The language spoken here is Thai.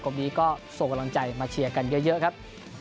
นี้ก็ส่งกำลังใจมาเชียร์กันเยอะครับ